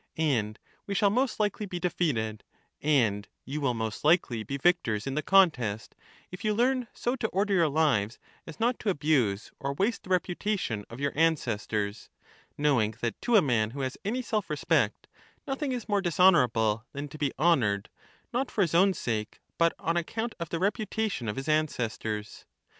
And we shall most likely be defeated, and you will most likely be victors in the contest, if you learn so to order your lives as not to abuse or waste the reputation of your ancestors, knowing that to a man who has any self respect, nothing is more dishonourable than to be honoured, not for his own sake, but on account of the reputation of his ancestors.